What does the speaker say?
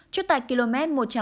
chốt tại km